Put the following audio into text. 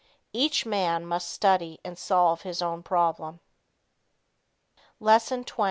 Each man must study and solve his own problem. LESSON XX.